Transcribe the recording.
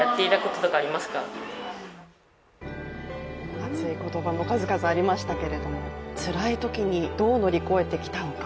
熱い言葉の数々ありましたけれども、つらいときにどう乗り越えてきたのか。